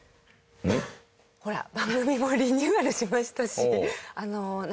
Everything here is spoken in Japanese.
ほら番組もリニューアルしましたし何か。